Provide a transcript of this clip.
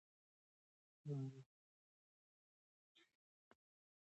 ماري کوري د نوې ماده د اغېزو راپور ترتیب کړ.